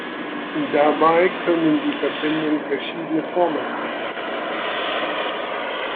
Dabei können die Verbindungen verschiedene Formen haben.